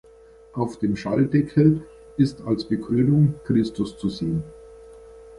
Auf dem Schalldeckel ist als Bekrönung Christus zu sehen.